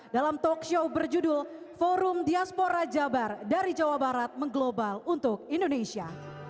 dalam talk show berjudul forum diaspora jabar dari jawa barat mengglobal untuk indonesia